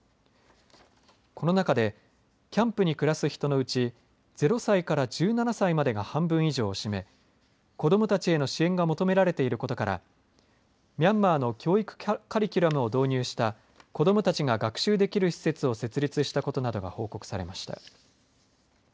この中でキャンプに暮らす人のうち０歳から１７歳までが半分以上を占め子どもたちへの支援が求められていることからミャンマーの教育カリキュラムを導入した子どもたちが学習できる施設を設立したことなどが報告されました。